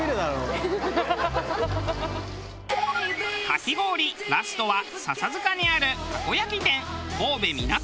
かき氷ラストは笹塚にあるたこ焼き店。